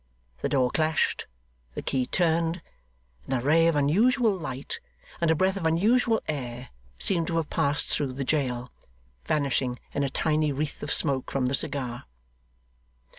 The door clashed the key turned and a ray of unusual light, and a breath of unusual air, seemed to have passed through the jail, vanishing in a tiny wreath of smoke from the cigar.